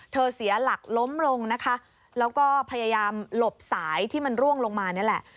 เสียหลักล้มลงนะคะแล้วก็พยายามหลบสายที่มันร่วงลงมานี่แหละ